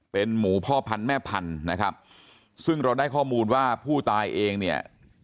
เป็นหมูพ่อพันธุ์แม่พันธุ์นะครับซึ่งเราได้ข้อมูลว่าผู้ตายเองเนี่ย